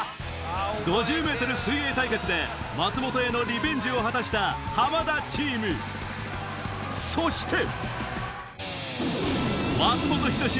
５０ｍ水泳対決で松本へのリベンジを果たした浜田チームそして！